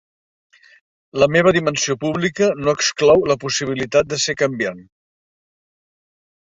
La meva dimensió pública no exclou la possibilitat de ser canviant.